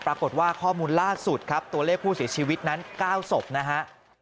ปรากฏว่าข้อมูลล่าสุดครับตัวเลขผู้เสียชีวิตนั้น๙ศพนะฮะ